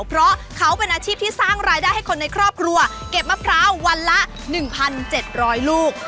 เพราะเขาเป็นอาชีพที่สร้างรายได้ให้คนในครอบครัวเก็บมะพร้าววันละ๑๗๐๐ลูก